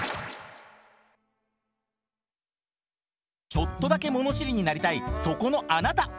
ちょっとだけ物知りになりたいそこのあなた。